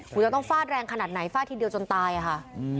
คุณจะต้องฟาดแรงขนาดไหนฟาดทีเดียวจนตายอะค่ะ